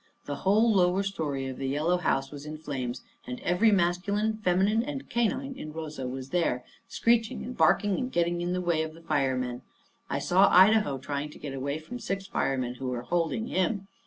The whole lower story of the yellow house was in flames, and every masculine, feminine, and canine in Rosa was there, screeching and barking and getting in the way of the firemen. I saw Idaho trying to get away from six firemen who were holding him.